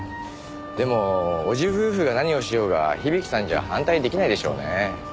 でも叔父夫婦が何をしようが響さんじゃ反対出来ないでしょうねえ。